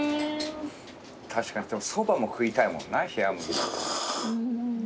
確かにでもそばも食いたいもんな。